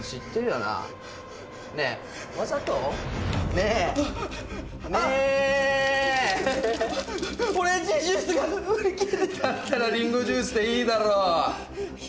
だったらリンゴジュースでいいだろ！